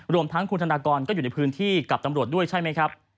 รวมทั้งคุณธนากรก็อยู่ในพื้นที่กับตำรวจด้วยใช่ไหมครับ